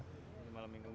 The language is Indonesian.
setiap malam minggu